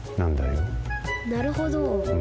なるほど。